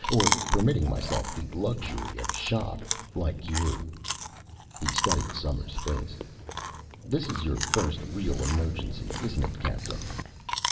Or permitting myself the luxury of shock, like you." He studied Somers' face. "This is your first real emergency, isn't it, Captain?"